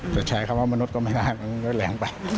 แต่แชร์คำว่ามนุษย์ก็ไม่นานมันก็แหล่งไป